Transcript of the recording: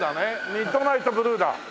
ミッドナイトブルーだ。